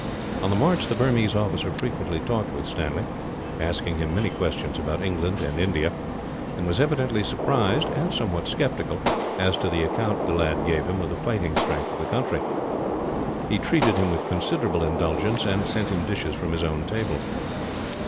On the march the Burmese officer frequently talked with Stanley, asked many questions about England and India; and was evidently surprised, and somewhat sceptical, as to the account the lad gave him of the fighting strength of the country. He treated him with considerable indulgence, and sent him dishes from his own table.